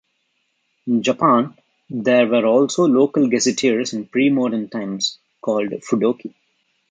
In Japan, there were also local gazetteers in pre-modern times, called "fudoki".